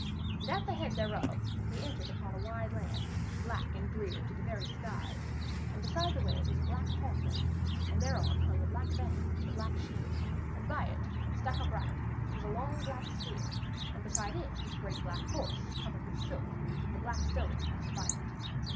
And at the head thereof they entered upon a wide land, black and drear to the very skies, and beside the way was a black hawthorn, and thereon hung a black banner and a black shield, and by it, stuck upright, was a long black spear, and beside it was a great black horse covered with silk, and a black stone fast by it.